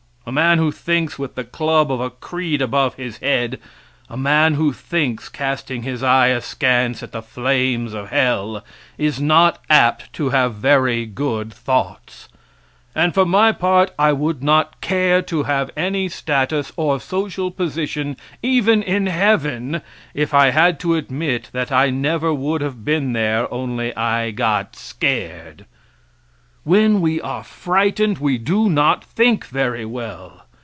A man who thinks with the club of a creed above his head a man who thinks casting his eye askance at the flames of hell, is not apt to have very good thoughts. And for my part, I would not care to have any status or social position even in heaven if I had to admit that I never would have been there only I got scared. When we are frightened we do not think very well.